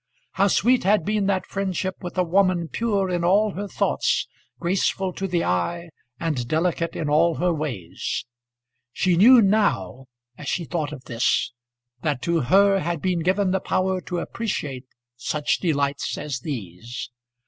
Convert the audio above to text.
How sweet had been that friendship with a woman pure in all her thoughts, graceful to the eye, and delicate in all her ways! She knew now, as she thought of this, that to her had been given the power to appreciate such delights as these.